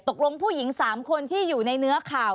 ตกลงผู้หญิง๓คนที่อยู่ในเนื้อข่าว